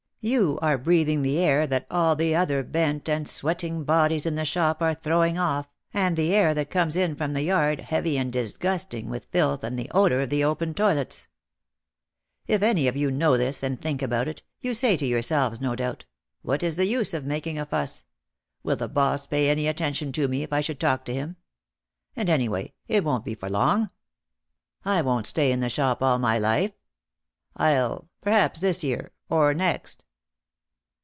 You are breathing the air that all the other bent and sweating bodies in the shop are throwing off, and the air that comes in from the yard heavy and disgusting with filth and the odour of the open toilets. "If any of you know this, and think about it, you say to yourselves, no doubt, What is the use of making a fuss? Will the boss pay any attention to me if I should talk to him ? And anyway it won't be for long. I won't 126 OUT OF THE SHADOW stay in the shop all my life. I'll — perhaps this year, or next